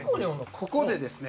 ここでですね